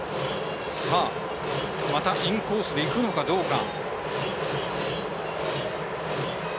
またインコースでいくのかどうか。